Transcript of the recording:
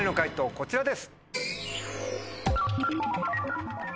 こちらです。